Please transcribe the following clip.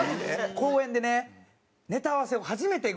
公園でねネタ合わせを初めてぐらいネタ